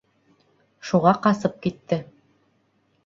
Шуға ҡасып китте.